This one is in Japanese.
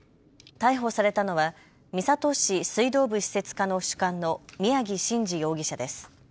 逮捕されたのは三郷市水道部施設課の主幹の宮城真司容疑者です。